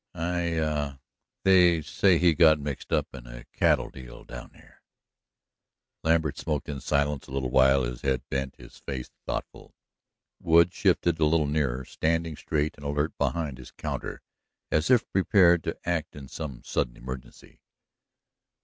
"I they say he got mixed up in a cattle deal down there." Lambert smoked in silence a little while, his head bent, his face thoughtful. Wood shifted a little nearer, standing straight and alert behind his counter as if prepared to act in some sudden emergency.